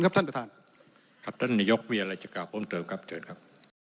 คัพเติร์นนวีรัชกาป้องเติมครับเชิญครับ